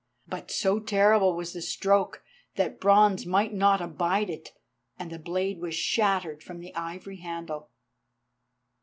But so terrible was the stroke that bronze might not abide it, and the blade was shattered from the ivory handle.